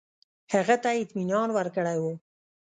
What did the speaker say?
هغه ته یې اطمینان ورکړی وو.